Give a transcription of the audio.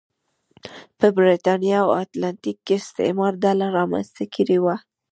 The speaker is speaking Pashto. په برېتانیا او اتلانتیک کې استعمار ډله رامنځته کړې وه.